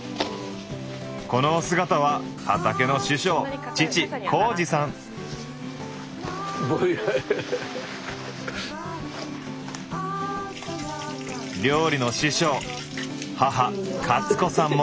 このお姿は料理の師匠母・カツ子さんも。